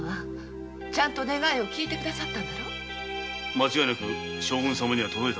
間違いなく将軍様には届いた。